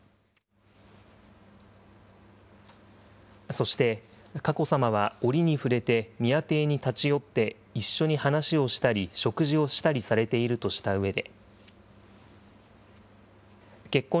そして佳子さまは折に触れて宮邸に立ち寄って、一緒に話をしたり、食事をしたりされているとしたうえで。